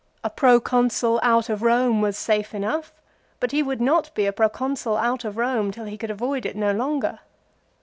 A Proconsul out of Home was safe enough, but he would not be a Pro consul out of Korne till he could avoid it no longer.